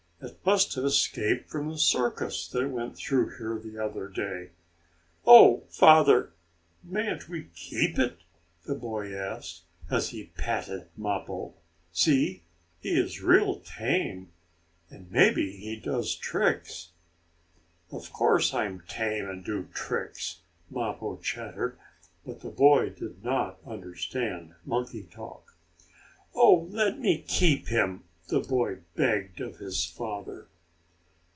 "It must have escaped from the circus that went through here the other day." "Oh, father, mayn't we keep it?" the boy asked, as he patted Mappo. "See, he is real tame, and maybe he does tricks." "Of course I'm tame and do tricks!" Mappo chattered, but the boy did not understand monkey talk. "Oh, let me keep him!" the boy begged of his father.